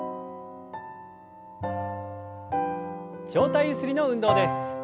上体ゆすりの運動です。